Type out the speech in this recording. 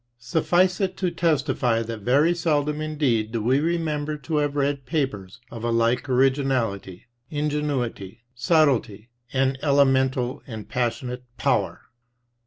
Suffice it to testify that very seldom indeed do we remember to have read papers of a like originality, ingenuity, subtlety, and elemental and passionate power.